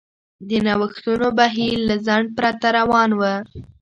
د نوښتونو بهیر له ځنډ پرته روان و.